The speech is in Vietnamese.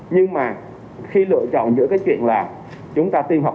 nhưng mà khi lựa chọn giữa cái chuyện là chúng ta tiêm hoặc đi